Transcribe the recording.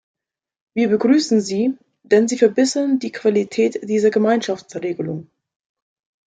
Wir begrüßen sie, denn sie verbessern die Qualität dieser Gemeinschaftsregelung.